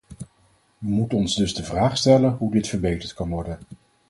We moeten ons dus de vraag stellen hoe dit verbeterd kan worden.